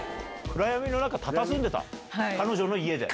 暗闇の中佇んでた彼女の家で。